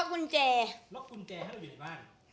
กุญแจล็อกกุญแจให้เราอยู่ในบ้าน